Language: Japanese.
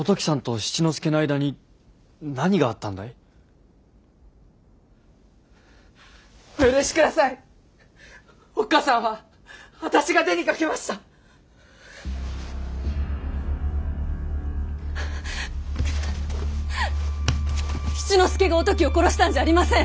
七之助がおトキを殺したんじゃありません！